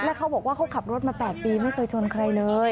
แล้วเขาบอกว่าเขาขับรถมา๘ปีไม่เคยชนใครเลย